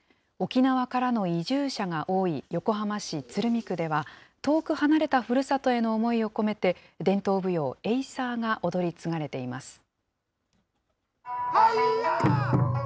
沖縄からの移住者が多い横浜市鶴見区では、遠く離れたふるさとへの思いを込めて、伝統舞踊エイサーが踊り継がれています。